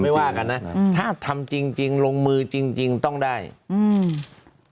ว่ากันนะอืมถ้าทำจริงจริงลงมือจริงจริงต้องได้อืม